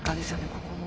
ここも。